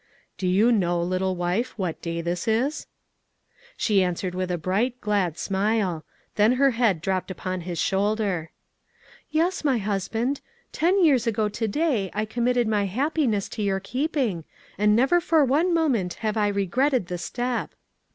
"Do you know, little wife, what day this is?" She answered with a bright, glad smile; then her head dropped upon his shoulder. "Yes, my husband; ten years ago to day I committed my happiness to your keeping, and never for one moment have I regretted the step."